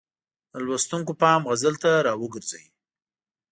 د لوستونکو پام غزل ته را وګرځوي.